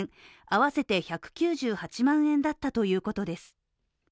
合わせて１９８万円だったということです。